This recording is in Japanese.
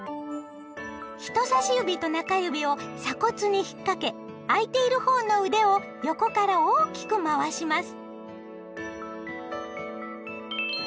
人さし指と中指を鎖骨にひっかけ空いている方の腕を横から大きくまわします。